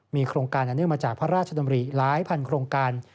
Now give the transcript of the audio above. มีโครงการอันเนื่องมาจากพระราชดำริหลายพันโครงการ